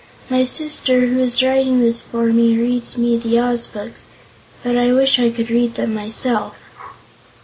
My sister, who is writing this for me, reads me the Oz books, but I wish I could read them myself."